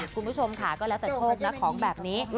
คุณผู้ชมค่ะก็แล้วแต่โชคนะของแบบนี้